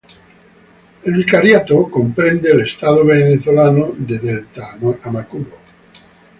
El vicariato comprende el estado venezolano de Delta Amacuro.